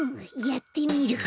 やってみる。